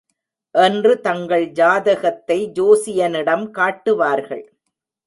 என்று தங்கள் ஜாதகத்தை ஜோசியனிடம் காட்டுவார்கள்.